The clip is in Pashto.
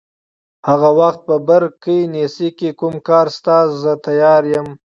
هغه وخت په بر کې نیسي، که کوم کار شته زه تیار یم.